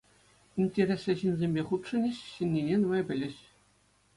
Интереслӗ ҫынсемпе хутшӑнӗҫ, ҫӗннине нумай пӗлӗҫ.